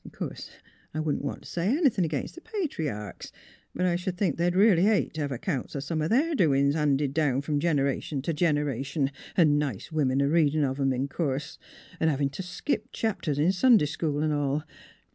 ... 'Course I wouldn't want t' say any thin' 'gainst the Patriarchs; but I sh'd think they'd reelly hate t' have accounts o' some o' their doin's handed down f 'om generation to generation, 'n' nice women a readin' of 'em in course; 'n' hevin' t' skip chapters in Sunday school, 'n' all.